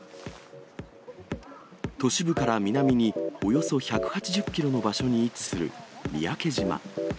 都市部から南におよそ１８０キロの場所に位置する三宅島。